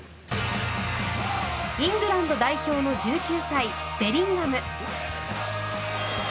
イングランド代表の１９歳ベリンガム。